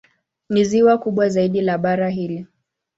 Ni ziwa kubwa zaidi la bara hili.